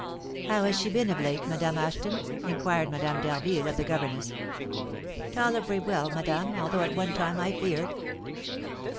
"How has she been of late, Madame Ashton?" inquired Madame d'Harville of the governess. "Tolerably well, madame; although at one time I feared."